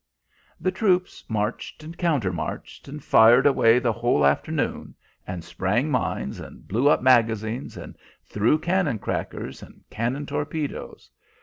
"The troops marched and counter marched, and fired away the whole afternoon, and sprang mines and blew up magazines, and threw cannon crackers and cannon torpedoes.